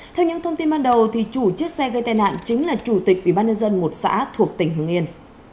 theo những thông tin ban đầu chủ chiếc xe gây tai nạn chính là chủ tịch ubnd một xã thuộc tỉnh hưng yên